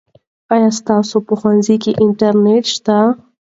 آیا ستاسو په ښوونځي کې انټرنیټ شته؟